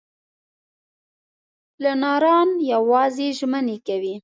پلانران یوازې ژمنې کوي.